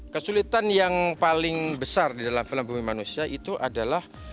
kesulitan yang paling besar di dalam film bumi manusia itu adalah